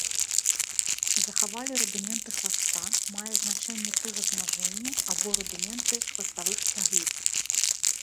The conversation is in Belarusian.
Захавалі рудыменты хваста, мае значэнне пры размнажэнні, або рудыменты хваставых цягліц.